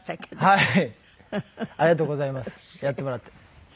はい。